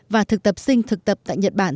và thực tập sinh thực tập tại nhật bản